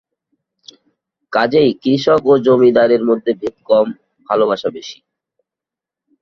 কাজেই কৃষক ও জমিদারের মধ্যে ভেদ কম, ভালোবাসা বেশি।